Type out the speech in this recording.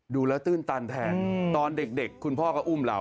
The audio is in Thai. ดูแล้วตื้นตันแทนตอนเด็กคุณพ่อก็อุ้มเรา